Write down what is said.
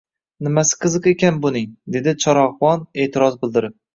— Nimasi qiziq ekan buning, — dedi charog‘bon e’tiroz bildirib.